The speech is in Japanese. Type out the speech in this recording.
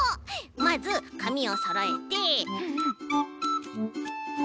まずかみをそろえて。